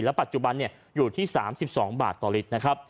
และปัจจุบันอยู่ที่๓๒บาทต่อลิตร